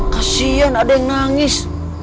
kasian ada yang nangis